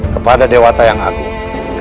kepada dewata yang agung